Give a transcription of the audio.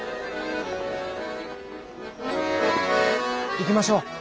行きましょう。